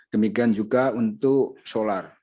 demikian juga untuk solar